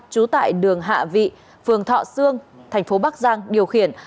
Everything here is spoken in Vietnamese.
trú tại đường hạ vị phường thọ sương thành phố bắc giang điều khiển